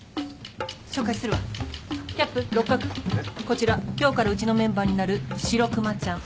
こちら今日からうちのメンバーになる白熊ちゃん。